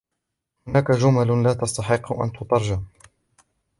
هناك جُمل لا تستحق أن تترجم.